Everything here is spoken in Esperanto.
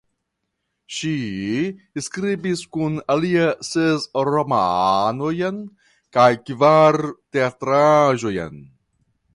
Ŝi skribis kun alia ses romanojn kaj kvar teatraĵojn.